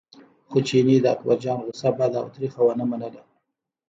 خو چیني د اکبرجان غوسه بده او تریخه ونه منله.